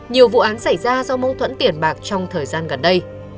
nhiều vụ án xảy ra do mâu thuẫn tiền bạc trong thời gian gần đây